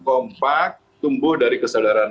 kompak tumbuh dari keseluruhan